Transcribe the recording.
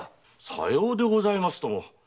さようでございますとも。